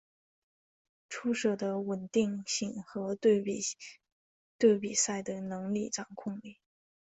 出色的稳定性和对比赛的掌控能力。